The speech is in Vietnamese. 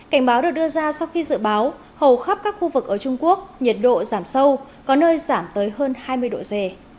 cảnh báo được đưa ra sau khi dự báo hầu khắp các khu vực ở trung quốc nhiệt độ giảm sâu có nơi giảm tới hơn hai mươi độ c